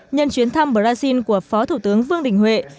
nhân chuyến thăm brazil của phó thủ tướng vương đình huệ